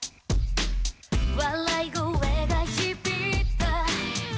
「笑い声が響いた」